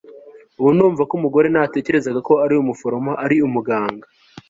Ubu ndumva ko umugore natekerezaga ko ari umuforomo ari umuganga